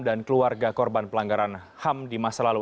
dan keluarga korban pelanggaran ham di masa lalu